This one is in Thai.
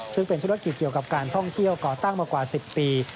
ซึ่งเป็นธุรกิจเกี่ยวกับการท่องเที่ยวก่อตั้งมากว่า๑๐ปี